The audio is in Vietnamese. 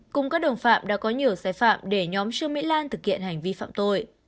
cùng các đồng phạm đã có nhiều sai phạm để nhóm trương mỹ lan thực hiện hành vi phạm tội